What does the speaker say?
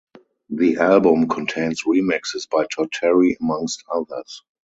The album contains remixes by Todd Terry amongst others.